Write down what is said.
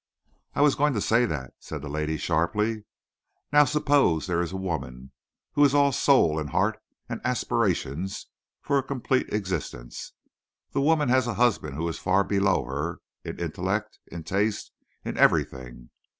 "I was going to say that," said the lady, sharply. "Now, suppose there is a woman who is all soul and heart and aspirations for a complete existence. This woman has a husband who is far below her in intellect, in taste—in everything.